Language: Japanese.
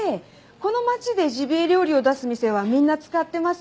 この町でジビエ料理を出す店はみんな使ってます。